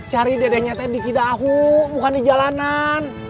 kita cari dedeknya tadi di cidahu bukan di jalanan